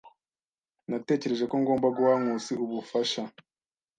Natekereje ko ngomba guha Nkusi ubufasha.